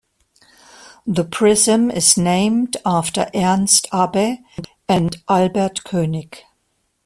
The prism is named after Ernst Abbe and Albert Koenig.